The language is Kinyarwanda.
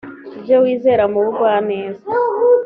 ibyo wizera mu bugwaneza